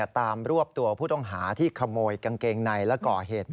รวบตัวผู้ต้องหาที่ขโมยกางเกงในและก่อเหตุ